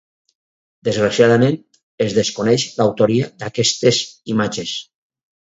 Desgraciadament, es desconeix l'autoria d'aquestes imatges.